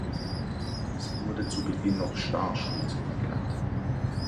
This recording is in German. Sie wurde zu Beginn noch "Star-Schnitt" genannt.